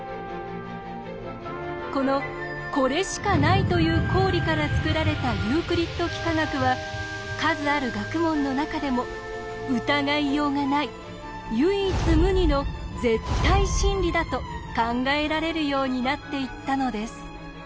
この「これしかない」という公理から作られたユークリッド幾何学は数ある学問の中でも「疑いようがない唯一無二の絶対真理」だと考えられるようになっていったのです。